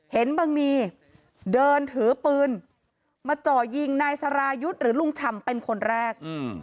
บังนีเดินถือปืนมาจ่อยิงนายสรายุทธ์หรือลุงฉ่ำเป็นคนแรก